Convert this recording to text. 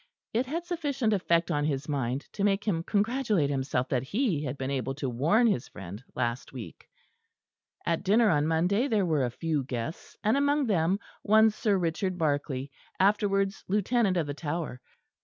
It had sufficient effect on his mind to make him congratulate himself that he had been able to warn his friend last week. At dinner on Monday there were a few guests; and among them, one Sir Richard Barkley, afterwards Lieutenant of the Tower.